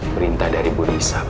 perintah dari bu nisa bu